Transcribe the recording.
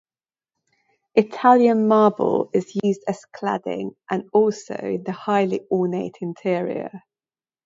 Italian marble is used as cladding and also in the highly ornate interior.